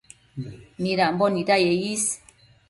midambo nidaye is